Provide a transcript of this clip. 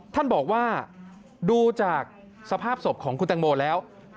ท่านบอกว่าดูจากสภาพศพของคุณตังโมแล้ว